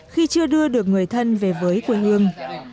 khi chưa đưa được người thân về với quê hương